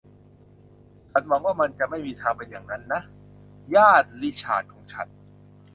ฉันหวังว่ามันจะไม่มีทางเป็นอย่างนั้นนะ ญาติริชาร์ดของฉัน